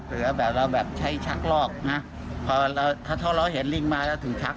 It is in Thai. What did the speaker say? หรือว่าเราใช้ชักลอกถ้าเราเห็นลิงมาแล้วถึงชัก